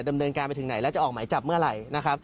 ดำเนินการไปถึงไหนแล้วจะออกหมายจับเมื่อไหร่นะครับ